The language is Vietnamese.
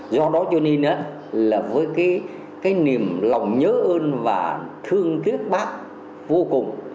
do đó cho nên là với cái niềm lòng nhớ ơn và thương tiếc bác vô cùng